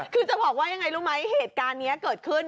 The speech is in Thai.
คือจะบอกว่ายังไงรู้ไหมเหตุการณ์นี้เกิดขึ้น